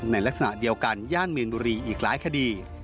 ในลักษณะเดียวกันย่านมีนบุรีอีกหลายคดี